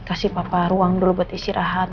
kasih papa ruang dulu buat istirahat